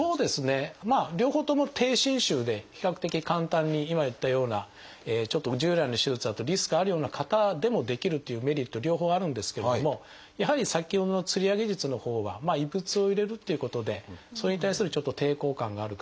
まあ両方とも低侵襲で比較的簡単に今言ったようなちょっと従来の手術だとリスクあるような方でもできるっていうメリット両方あるんですけどもやはり先ほどの吊り上げ術のほうは異物を入れるっていうことでそれに対するちょっと抵抗感がある方